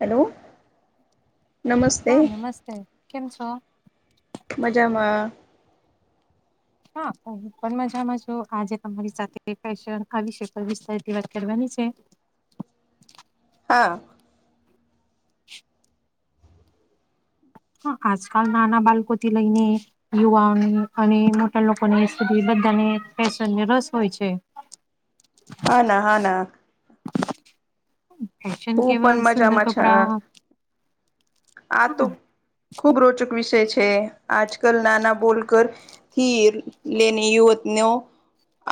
Hello હા નમસ્તે નમસ્તે કેમ છો? મજામાં હા પણ મજામાં છ આજે તમારી સાથે ફેશન આ વિષ પર વિતાર વાત કરવાની છે હા હ આજકાલ નાના બાળકો થી લઈને યુવાઓની અને મોટા લોકોનીધી બધાને ફેશનને રસ હોય છે [unintelligible] હ ના હા ના ફશન હું કેવલ પણ સુંદર મજામાં છે કપડા આ તો હા ખુબ રોચક વિષય છે આજ કલ નાના બોલ કરથીર લેને યુવતનેઓ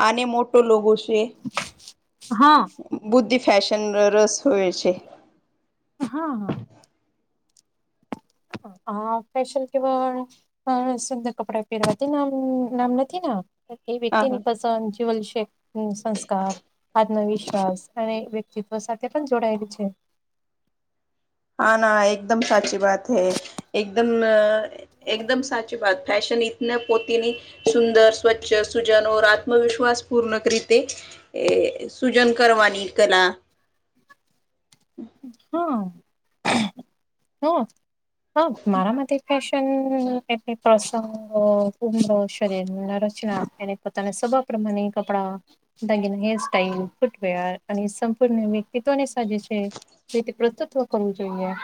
આને મોટો લોકો છે હા બુદ્ધિ ફશન રસ હોય છે હા હા આ ફેશન કેવા સુંદર કપડા પહેરવાતી નામ નામ નથી એ વતિ હા હા નની પસ જીવલ શેખ સંસ્કાર આત્મવિશ્વાસ અને વ્યક્તિત્વ સાથે પણ જોડાયેલું છે હા ના એકદમ સાચી વાત હૈ એકદમ એકદમ સાચી વાત ફૅશન રતના પોતેની સુંદર સ્વચ્છ સુજન ઓર આત્મવિશ્વાસ પૂર્ણક રીતે એ સૂજન કરવાની કલા હા હા મારા માટે ફેશન શન પ્ર ઉડો શરીર રચના અને પોતાના સબપ પ્રમા કપડા દાગીના હેર સાાઈલ ફૂટવેર અને સંપૂર્ણ વ્યક્તિત્વને સાજે છે પ્રસ્તુત કર જોઈએ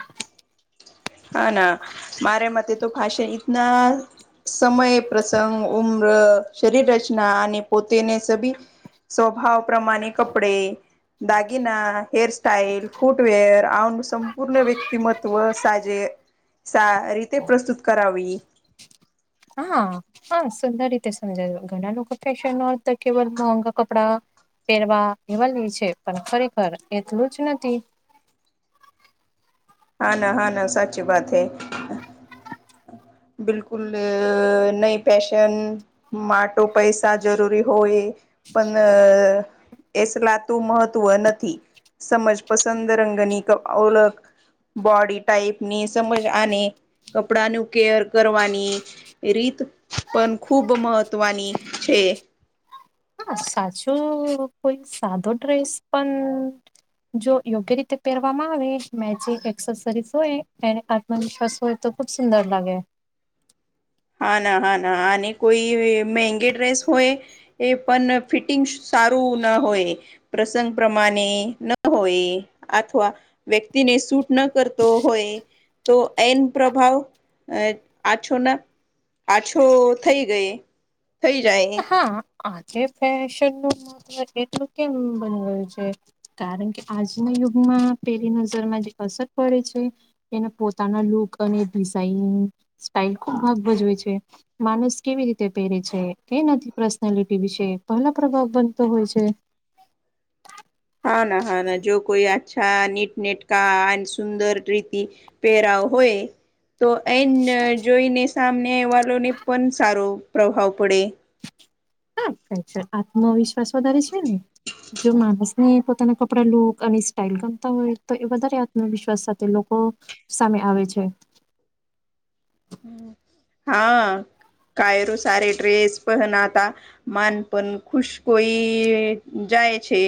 હા ના મારા મતે તો ફાશન ઈતના સમય પ્રસંગ ઉમ્ર શરીર રચના અને પોતેને સભી સ્વભાવ પ્રમાણે કપડે દાગીના હેર સ્ટાાઈલ ફૂટવેર અનું સંપૂર્ણ વ્યક્તિમત્વ સાજે સા રીતે પ્રસ્તુત કરાવી હા હા સુંદર રીતે સમજાવ ઘણા લોકો ફેશન તો કેવ મોંગા કપડા પહેરવા એવાલી છે પણ ખરેખર એટલું જ નથી હા ના હા ના સાચી બાત હૈ બિલકુલ નઈ પેેશન માટો પૈસા જરૂરી હોય પણ એસલાતું મહત્વ નથી સમજ પસંદ રંગની ઓળખ બોડી ટાઈપ ની સમજ આને કપડાનુ કેર કરવાની રીત પણ ખૂબ મહત્ત્વની છે હા સાચું કોઈ સાદો ડ્રેસ પણ જો યોગ્ય રીતે પહેરવામાં આવે મે જે એકસેસીરિસ હોય એને આ મનશવસ હોય તો ખૂબ સુંદર લાગે હા ના હા ના અને કોઈ મહેંગી ડ્રેસ હોય એ પણ ફિટિંગ સારું ન હોય પ્રસંગ પ્રમાણે ન હોય અથવા વ્યક્તિને સૂટ ન કરતો હોય તો એન પ્રભાવ આછોન પાછો થઇ ગઈ થઈ જાય હા આજે ફેશન નું એટલું કેમ બનવાયું છે કારણ કે આજના યુગમાં પેલી નજરમાં જે અસર પડે છે એને પોતાના લુક અને ડિઝઇન સ્ટાઇલ ખુબ ભાગ ભજવે છે માણસ કેવી રીતે પહેરે છે કે નથી પર્સનાલિટી વિશે પહેલા પ્રભાવ બનતો હોય છે હા ના હા ના જો કોઈ અચ્છા નીટનેટ કા સુંદર રીતિ પેરાવ હોય તો એ જોઈને સામને વાલોને પણ સારો પ્રભાવ પડે આત્મવિશ્વાસ વધારે છે ને જો માણસ પોતાના કપડા લુક અને સ્ટાઇલ ગમતા હોય તો એ વધારે આત્મવિશ્વાસ સાથે લોકો સામે આવે છે હા કાયરું સારી ડ્રેસ પણ હતા માન પણ ખુશ કોઈ જાય છે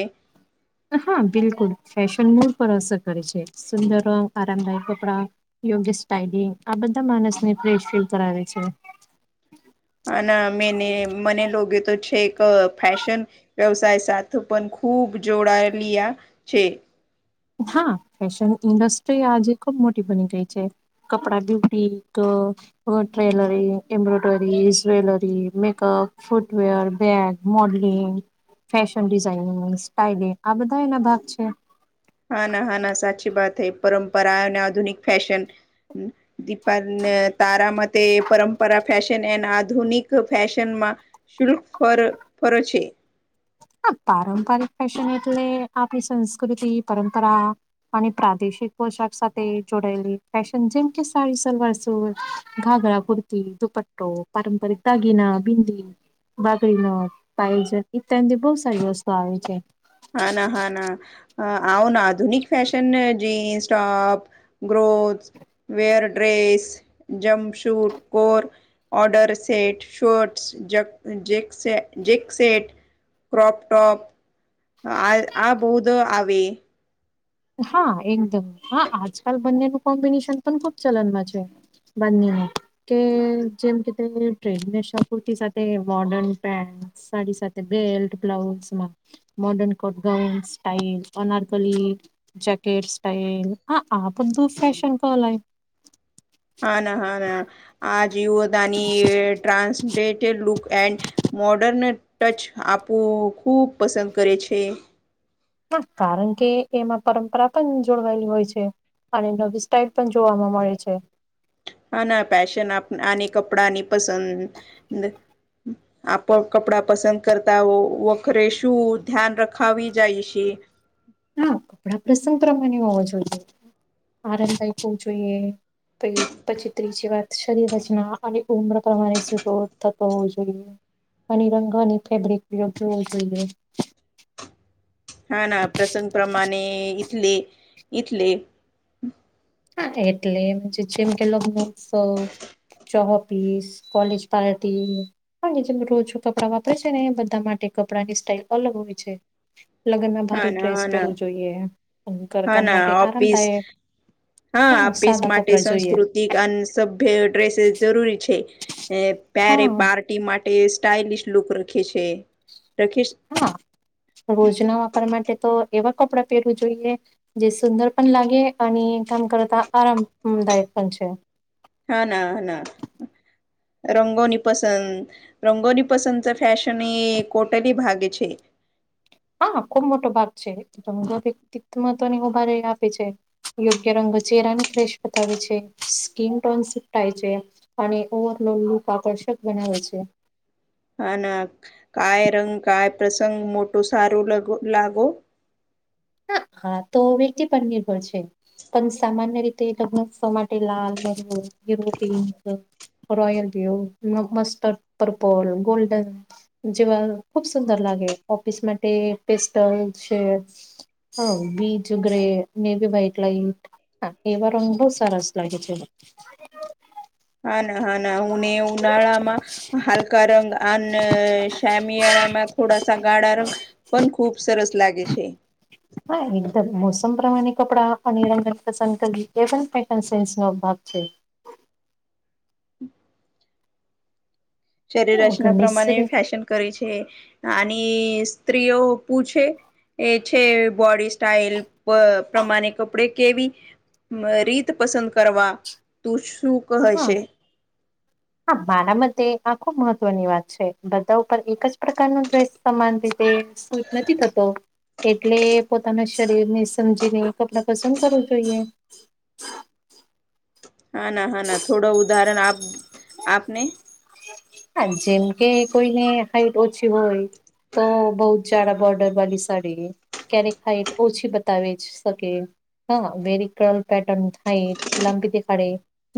હા બિલકુલ ફેશન મૂડ પર અસર કરે છે સુંદર આરામદાયક કપડા યોગ્ય સ્ટાયલી આ બધા માણસને ફેશ ફીલ કરાવે છે હ ના મેને મને લોકો તો છે એક ફશન વ્યવસાય સાથે પણ ખૂબ જોડાયેલીયા છે હા ફેશન ઇન્ડસ્ટ્રી આજે ખુબ મોટી બની ગઈ છે કપડા ભી ીક ટ્રેલરી embroidery jewellery makeup footwear bag modelling fashion designing styling આ બધા એના ભાગ છે હા ના હા ના સાચી વાત હૈ પરંપરા અને આધુનિક ફેશન દીપા તારામાં તે પરંપરા ફેશન એ આધુનિક ફેશનમાં શુલ્ક ફર ફરો છે હ પારંપરિક ફેશન એટલે આપ આપ સંસ્કૃતિ પરંપરા અને પ્રાદેશિક પોશાક સાથે જોડાયેલી ફેશન જેમ કે સાડી સલવાર સુર ઘાઘરા કુર્તી દુપટ્ટો પારંપરિક દાગીના બિંદી બાકડી ન પાયોજન ત બહુ સારી વસ્તુ આવે છે હા ના હા ના હ આધુનિક ફેેશન જીન્સ ટોપ ગ્રોથ wear dress jumpsuit core order set shorts જક Jack જક સટ ક્રોપ ટોપ આ આ બૌધ આવે હા એકદમ હા આજકાલ બંનેનું કોમ્બિનેશન પણ ખુબ ચલનમાં છે બંને ને કે જેમ કે તે ટ્રેડ શા કુર્તી સાથે મોર્ડન પે સાડી સાથે બેલ્ટ બ્લાઉઝમાં modern coat gown style અરકલી jacket style હા આપધ ફશન કો લય હા ના હા ના આ જીવો દાની ટ્રાન્સટેડ લુક એન્ડ મોડર્ન ટચ આપવું ખૂબ પસંદ કરે છે. પણ કારણકે એમાં પરંપરા પણ જોડવાયેલી હોય છે. અને નવી સ્ટાઈલ પણ જોવાવામાં મળે છે. હા, ના ફેશન આની કપડાની પસંદ [inaudible] [unintelligible] આપ કપડા પસંદ કરતા વખરે શું ધ્યાન રખાવી જાયશે? હા, કપડા પ્રસંગ પ્રમાણે હોવા જોઈએ. આરામ દાયક હોવું જોઈએ પ પછી ત્રીજી વાત શરીરચના અને ઉમર પ્રમાણે થતો હોવો જોઈએ અને રંગોની ફેબ્રિકયોગ જોવો જોઈએ. હા, ના પ્રસંગ પ્રમાણે ઈથલે ઈથલે હા, એટલે એમ જેમ કે લગ્ન ઉત્સવ [unintelligible] કોલેજ પાર્ટી કે જેમ રોજો કપડાં વાપરે છે ને એ બધા માટે કપડાંની સ્ટાઈલ અલગ હોય છે. લગ્નમાં હા ભારે ના ડ્રેસ હા ના પહેરવું જોઈએ, હા ઘરકામ માટે ના ઓફિસ આરામદાયક હા, આપીસ સાદા માટે કપડા જોઈએ સંસ્કૃત [unintelligible] સભ્ય ડ્રેસીસ જરૂરી છે, પેરે હા પર માટે સ્ટાઇલશ લુક રખે છે. રખીશ હા, રોજના વાપર માટે તો એવા કપડા પહેરવું જોઈએ જે સુંદર પણ લાગે અને કામ કરતા આરામદાયક પણ છે. હા, ના ના રંગો ની પસંદ રંગોની પસંદ ફેશન એ કોટલી ભાગે છે. હા, ખુબ મોટો ભાગ છે, જમા વ્યક્તિત્માં તોને ઉભારે આપે છે. યોગ્ય રંગ ચેરાની ક્રેશ બતાવે છે, સ્કીિન ટોન સેપ્ટ થાય છે. અને ઓવરલો લૂક આકર્ષક બનાવે છે. હા ના કાય રંગ, કાય પ્રસંગ, મોટું સારું લ લાગો. હ હા તો વ્યક્તિ પર નિર્ભર છે. પણ સામાન્ય રીતે લગ્ન પ્રસંગ માટે લાલ, maroon, pink royal view, [unintelligible] purple, golden જેવા ખુબ સુંદર લાગે, ઓફિસ માટે સ્પેશિયલ છે. હા, બીચગ્રે, નેવી વઈટ લઇટ હા, એવા રંગ બોવ સરસ લાગે છે. હા ના હા ના હુંને ઉનાળામાં હલકા રંગ અને શમયાળમાં થોડા સાગાળા રંગ પણ ખુબ સરસ લાગે છે. હા, એકદમ મોસમ પ્રમાણે કપડાં અને રંગની પસંદ કરવી, એ પણ ફેશન સેન્સનો ભાગ છે. શરીર હા, રચના ઘણી પ્રમાણે શ્રે- ફેશન કરી છે, આની સ્ત્રીઓ પૂછે એ છે બોડી સ્ટાઈલ બ પ્રમાણે કપડે કેવી રીત પસંદ કરવા, તું શું હા કહેશે? હા, મારા માટે આ ખુબ મહત્વની વાત છે. બધા ઉપર એક જ પ્રકારનો ડ્રેસ સમાન રીતે સૂટ નથી થતો. એટલે પોતાના શરીર ને સમજીને કપડાં પસંદ કરવું જોઈએ. હા ના હા ના થોડો ઉદાહરણ આપ આપને હા, જેમકે કોઈને હાઈટ ઓછી હોય તો બોવ જારા બોર્ડર વાળી સાડી. ક્યારેક હાઈટ ઓછી બતાવી શકે. હા, વેરી કર્રલ પેટર્ન થાય લાંબી દેખાડે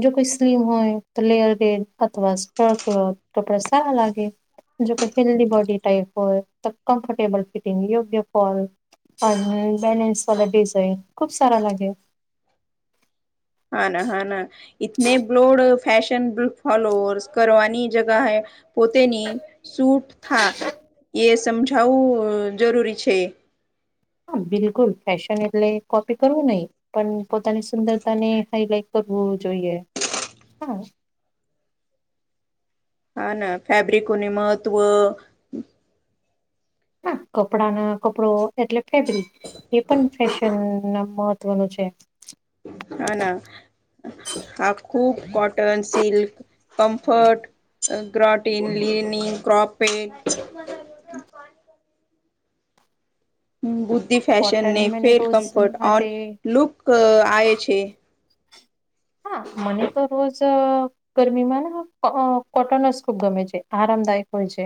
જો કોઈ સ્લીમ હોય, તો લેયર ગેડ અથવા [unintelligible] ક્લોથ કપડા સારા લાગે. જોકે હેલ્દી બોડી ટાઈપ હોય, તો કમ્ફર્ટેબલ ફિટિંગ યુ પ્રિફર. અને બેલેન્સ વાળી ડિઝાઇન ખુબ સારા લાગે. હા ના હા ના, તને બ્લોડ ફેશન ફોલોઅર્સ કરવાની જગ્યાએ, પોતેની સૂટ હા, એ સમજાવું જરૂરી છે. હા બિલકુલ ફેશન એટલે કોપી કરવું નહી. પણ પોતાની સુંદરતા ને હાઈલાઈટ કરવું જોઈએ, હા. હા ના ફેબ્રિકોને મહત્ત્વ. ના કપડા ના કપડો એટલે ફેબ્રિક એ પણ ફેશનના મહત્વનું છે. હ ના. હા ખૂબ કોટન, સિલ્ક, કમ્ફર્ટ. ગ્રટિન, લિનીન, ક્રોપેટ. બુદ્ધિ હા ફેશન કોટન ને મને ફેલ રોજ કમ્ફર્ટ માટે ઓન, લુક આવે છે. હા મને તો રોજ ગરમીમાંને કોટન જ ખુબ ગમે છે આરામદાયક હોય છે.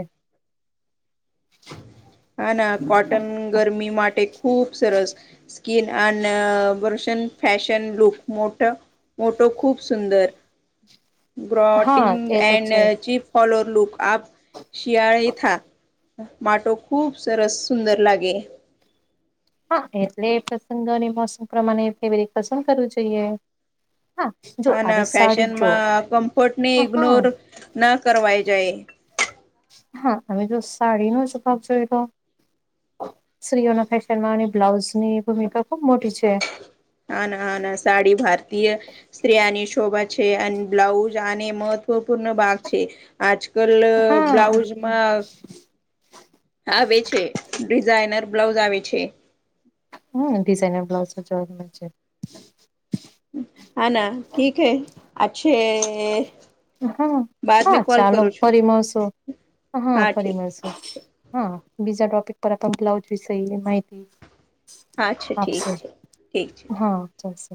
હા ના કોટન ગરમી માટે ખુબ સરસ. સ્કીિન અનેશન ફેશન લુક મોટ મોટો ખૂબ સુંદર. હા ગ્રોટિંગ એ તો એન્ડ છે જ ચી ફોલોર લુક આ, શિયાળીથા માટો ખૂબ સરસ સુંદર લાગે. હા એટલે એ પ્રસંગોની મોસમ પ્રમાણે ફેબ્રીક પસંદ કરવું જોઈએ. હા જો હા ના હવે સાડી જો ફેશનમાં કમ્ફર્ટ ને અ, હા ઈગ્નોર, ના કરવાય જાય. હા અમે જો સાડીનો શ ખ જોએ તો. સ્ત્રીઓના ફેશન માંની બ્લાઉઝની ભૂમિકા ખુબ મોટી છે. હા ના હ ના સાડી ભારતીય સ્ત્રીિઓની શોભા છે અને બ્લાઉઝ આને મહત્વપૂર્ણ ભાગ છે. આજ કલ હા બ્લાઉઝમાં આવે છે, ડિઝાઇનર બ્લાઉઝ આવે છે. હ ડિઝનર બ્લાઉઝ ચવા મચ [unintelligible] હા ના ઠીક હે અચ્છે. હા બાદ મે હા કોલ ચાલો કરું છું ફરી મળશુ, હા ફરી મળશુ. હા બીજા ટોપિક પર બ્લાઉઝ વિષય માહિતી. હા છે ઠીક આપશે, છે ઠીક છે હા ચાલશે.